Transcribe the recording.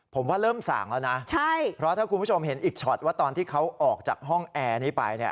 ผมว่าเริ่มส่างแล้วนะใช่เพราะถ้าคุณผู้ชมเห็นอีกช็อตว่าตอนที่เขาออกจากห้องแอร์นี้ไปเนี่ย